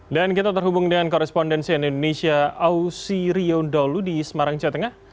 dan kita terhubung dengan korespondensi indonesia ausi rio dalu di semarang jawa tengah